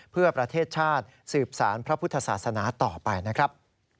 เพื่อประเทศชาติสืบสารพระพุทธศาสนาต่อไปนะครับ